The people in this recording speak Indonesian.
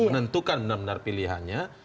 menentukan benar benar pilihannya